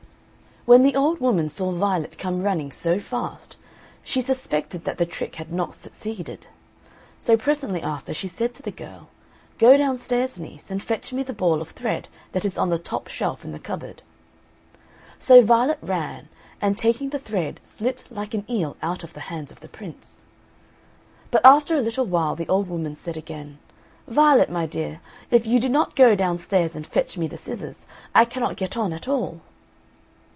When the old woman saw Violet come running so fast, she suspected that the trick had not succeeded; so presently after, she said to the girl, "Go downstairs, niece, and fetch me the ball of thread that is on the top shelf in the cupboard." So Violet ran, and taking the thread slipped like an eel out of the hands of the Prince. But after a little while the old woman said again, "Violet, my dear, if you do not go downstairs and fetch me the scissors, I cannot get on at all."